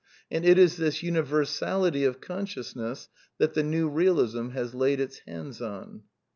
And it is this uni versality of consciousness that the 'New Bealism has laid its hands on.